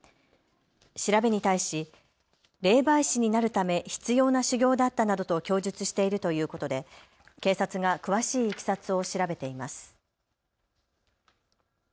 調べに対し霊媒師になるため必要な修行だったなどと供述しているということで警察が詳しいいきさつを調べています。